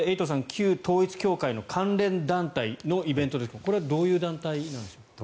旧統一教会の関連団体のイベントですがこれはどういう団体なんですか？